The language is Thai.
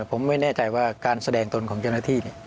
ผมไม่แน่ใจว่าการแสดงตนของเจ้าหน้าที่